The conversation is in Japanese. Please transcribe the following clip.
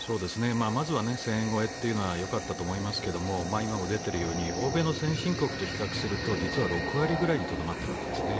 まずは１０００円超えというのはよかったと思いますが今も出ているように欧米の先進国と比較すると実は６割ぐらいにとどまっているわけですね。